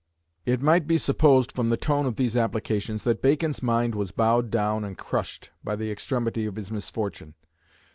It might be supposed from the tone of these applications that Bacon's mind was bowed down and crushed by the extremity of his misfortune.